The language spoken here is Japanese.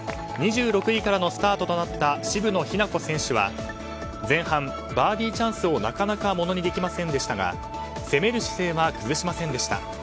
２６位からのスタートとなった渋野日向子選手は前半、バーディーチャンスをなかなかものにできませんでしたが攻める姿勢は崩しませんでした。